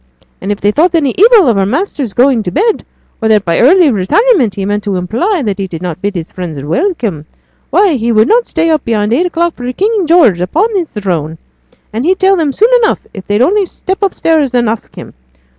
And if they thought any evil of her master's going to bed, or that by that early retirement he meant to imply that he did not bid his friends welcome, why he would not stay up beyond eight o'clock for King George upon his throne, as he'd tell them soon enough, if they'd only step upstairs and ask him.